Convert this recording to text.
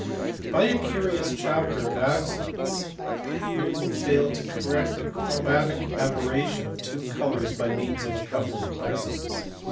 By a curious chapter of accidents Newton failed to correct the chromatic aberration of two colours by means of a couple of prisms.